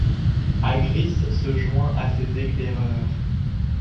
Agris se joint à ces éclaireurs.